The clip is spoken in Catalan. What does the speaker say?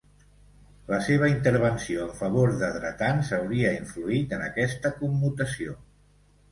La seva intervenció en favor de dretans hauria influït en aquesta commutació.